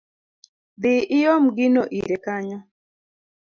Dhi iom gino ire kanyo